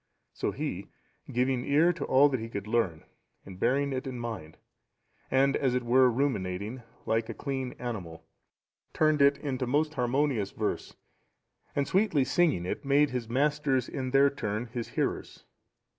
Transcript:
So he, giving ear to all that he could learn, and bearing it in mind, and as it were ruminating, like a clean animal,(711) turned it into most harmonious verse; and sweetly singing it, made his masters in their turn his hearers.